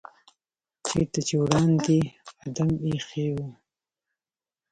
چېرته چې وړاندې آدم ایښی و.